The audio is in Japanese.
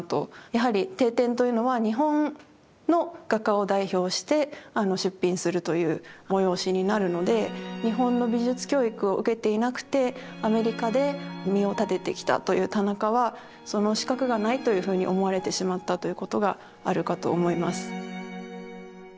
やはり帝展というのは日本の画家を代表して出品するという催しになるので日本の美術教育を受けていなくてアメリカで身を立ててきたという田中はその資格がないというふうに思われてしまったということがあるかと思います。